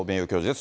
す。